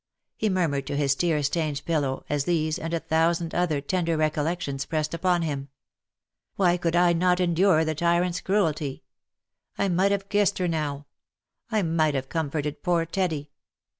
he murmured to his tear stained pillow, as these, and a thousand other tender recollections pressed upon him. a Why could I not endure the tyrant's cruelty? I might have kissed her now ! I might have comforted poor Teddy